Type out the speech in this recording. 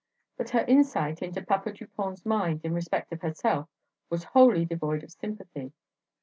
But her insight into Papa Dupont's mind in respect of herself was wholly devoid of sympathy.